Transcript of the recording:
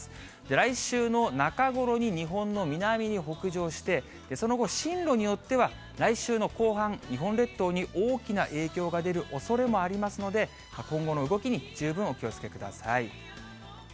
来週の中頃に日本の南に北上して、その後、進路によっては来週の後半、日本列島に大きな影響が出るおそれもありますので、今後の動きに十分お気をつけください。